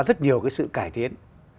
rất nhiều cái sự cải thiện